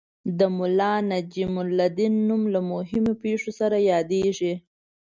د ملا نجم الدین نوم له مهمو پېښو سره یادیږي.